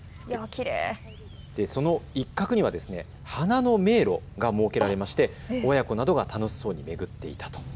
その一角には花の迷路が設けられ親子などが楽しそうに巡っていたと。